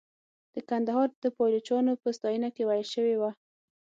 د کندهار د پایلوچانو په ستاینه کې ویل شوې وه.